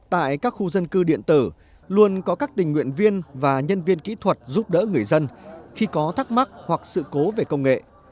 tại các khu dân cư điện tử luôn có các tình nguyện viên và nhân viên kỹ thuật giúp đỡ người dân khi có thắc mắc hoặc sự cố về công nghệ